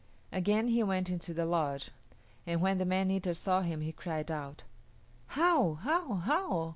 Again he went into the lodge, and when the man eater saw him he cried out, "How, how, how!